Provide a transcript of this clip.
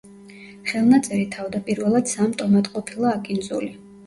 ხელნაწერი თავდაპირველად სამ ტომად ყოფილა აკინძული.